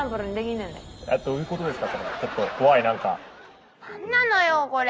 なんなのよこれ。